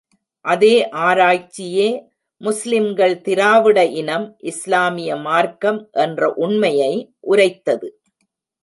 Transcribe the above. அதே ஆராய்ச்சியே, முஸ்லிம்கள் திராவிட இனம், இஸ்லாமிய மார்க்கம் என்ற உண்மையை உரைத்தது.